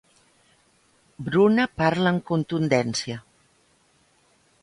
Bruna parla amb contundència.